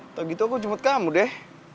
atau gitu aku jemput kamu deh